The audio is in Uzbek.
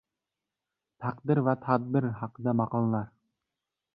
Taqdir va tadbir haqida maqollar.